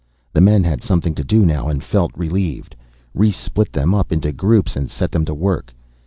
The men had something to do now and felt relieved. Rhes split them up into groups and set them to work.